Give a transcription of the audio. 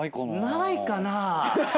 ないかな。